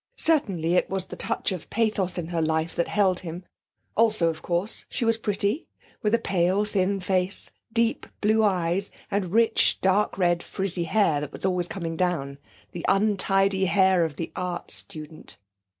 Certainly it was the touch of pathos in her life that held him; also, of course, she was pretty, with a pale thin face, deep blue eyes, and rich dark red frizzy hair that was always coming down the untidy hair of the art student.